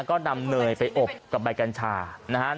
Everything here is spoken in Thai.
ก็นำเนยไปอบกับใบกัญชานะครับ